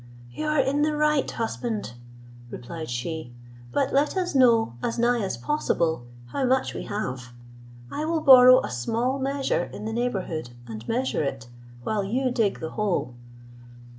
"You are in the right, husband," replied she; "but let us know, as nigh as possible, how much we have. I will borrow a small measure in the neighbourhood, and measure it, while you dig the hole."